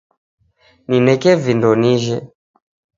Nineke vindo nijhe